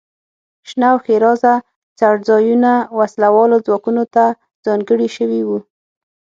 شنه او ښېرازه څړځایونه وسله والو ځواکونو ته ځانګړي شوي وو.